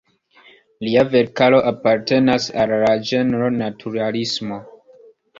Lia verkaro apartenas al la ĝenro naturalismo.